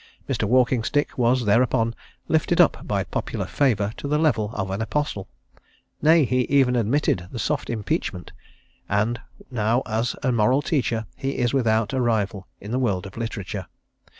Mr. Walkingstick was, thereupon, lifted up by popular favour to the level of an apostle nay, he even admitted the soft impeachment and now as a moral teacher he is without a rival in the world of literature.